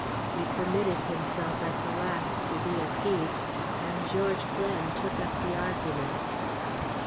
He permitted himself at the last to be appeased, and George Glen took up the argument.